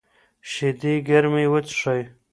شیدې ګرمې وڅښئ.